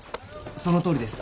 そのとおりです！